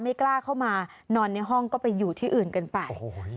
ไม่กล้าเข้ามานอนในห้องก็ไปอยู่ที่อื่นกันไป